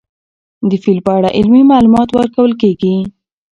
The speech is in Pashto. د فیل په اړه علمي معلومات ورکول کېږي.